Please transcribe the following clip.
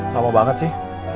lama banget sih